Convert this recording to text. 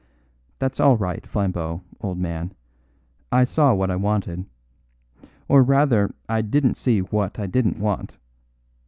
"That's all right, Flambeau, old man; I saw what I wanted. Or, rather, I didn't see what I didn't want.